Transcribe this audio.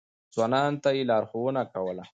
ځوانانو ته يې لارښوونه کوله.